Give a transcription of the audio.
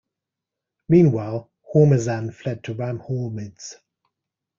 Meanwhile, Hormuzan fled to Ram-Hormizd.